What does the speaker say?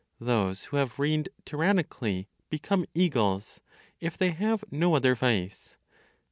Those who have reigned tyrannically, become eagles, if they have no other vice.